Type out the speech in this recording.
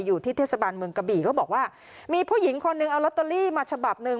อยู่ที่เทศบาลเมืองกะบี่ก็บอกว่ามีผู้หญิงคนหนึ่งเอาลอตเตอรี่มาฉบับหนึ่ง